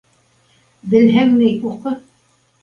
Белһәң, ней, уҡы.